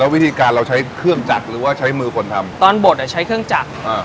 วิธีการเราใช้เครื่องจักรหรือว่าใช้มือคนทำตอนบดอ่ะใช้เครื่องจักรอ่า